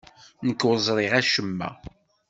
Nekk ur ẓriɣ acemma.